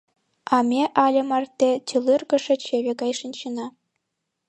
А ме але марте тӱлыргышӧ чыве гай шинчена.